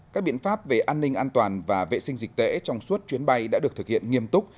các biện pháp về an ninh an toàn và vệ sinh dịch tễ trong suốt chuyến bay đã được thực hiện nghiêm túc